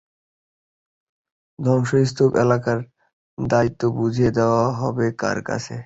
ধ্বংসস্তূপ এলাকার দায়িত্ব বুঝিয়ে দেওয়া হবে কার কাছে?